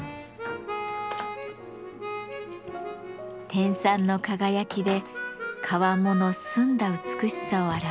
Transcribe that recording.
天蚕の輝きで川面の澄んだ美しさを表します。